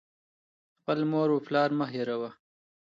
• خپل مور و پلار مه هېروه.